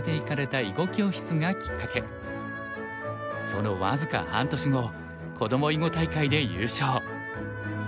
その僅か半年後子ども囲碁大会で優勝。